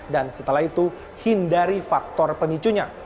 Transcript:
dan setelah itu hindari faktor pemicunya